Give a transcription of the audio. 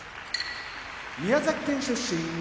宮崎県出身